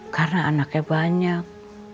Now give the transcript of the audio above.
karena anaknya banyak